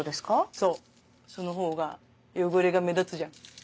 そうそのほうが汚れが目立つじゃん。